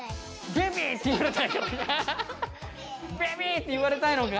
ベビーって言われたいのか。